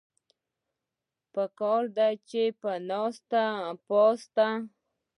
پکار ده چې پۀ ناسته پاسته